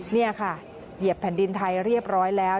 นี่ค่ะเหยียบแผ่นดินไทยเรียบร้อยแล้ว